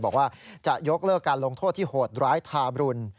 บอกว่าจะยกเลิกการลงโทษที่โหดร้ายทาบรุน